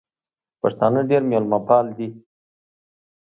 پښتانه ډېر مېلمه پال دي